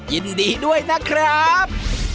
ยินดีด้วยนะครับ